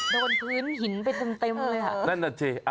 โดนพื้นหินไปเต็มเลยค่ะ